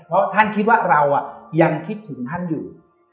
เพราะท่านคิดว่าเรายังคิดถึงท่านอยู่